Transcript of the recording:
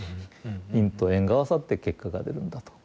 因と縁が合わさって結果が出るんだと。